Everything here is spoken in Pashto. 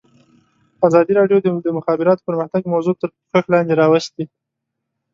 ازادي راډیو د د مخابراتو پرمختګ موضوع تر پوښښ لاندې راوستې.